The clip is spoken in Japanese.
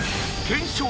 検証！